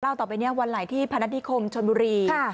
เวลาต่อไปวันไหลที่พระนัทธิคมชนบุรี